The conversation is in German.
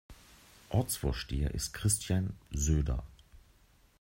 Ortsvorsteher ist Christian Söder.